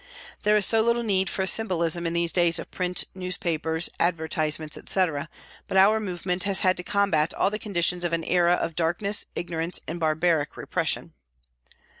There is so little need for sym bolism in these days of print, newspapers, advertise ments, etc., but our movement has had to combat all the conditions of an era of darkness, ignorance, and barbaric repression.